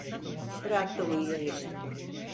Bırak da uyuyayım.